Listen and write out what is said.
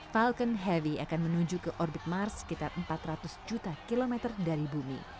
falcon heavy akan menuju ke orbit mars sekitar empat ratus juta kilometer dari bumi